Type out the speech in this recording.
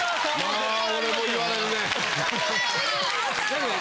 まあ俺も言われるね。